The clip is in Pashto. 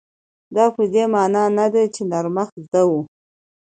دا په دې مانا نه ده چې نرمښت زده و.